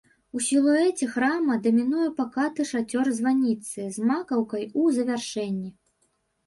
У сілуэце храма дамінуе пакаты шацёр званіцы з макаўкай у завяршэнні.